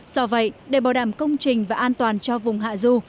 do vậy để bảo đảm công trình và an toàn cho vùng hạ du